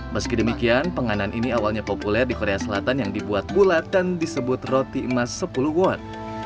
meski demikian penganan ini awalnya populer di korea selatan yang dibuat bulat dan disebut roti emas sepuluh watt